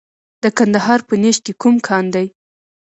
د کندهار په نیش کې کوم کان دی؟